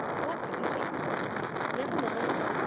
'What's a pity?' 'Never mind!